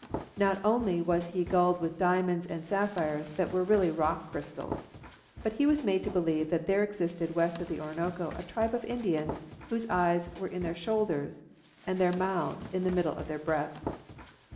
Not only was he gulled with diamonds and sapphires that were really rock crystals, but he was made to believe that there existed west of the Orinoco a tribe of Indians whose eyes were in their shoulders, and their mouths in the middle of their breasts.